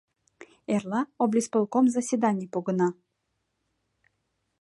Эрла облисполком заседаний погына.